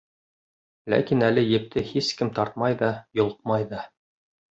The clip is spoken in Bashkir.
Ләкин әле епте һис кем тартмай ҙа, йолҡмай ҙа.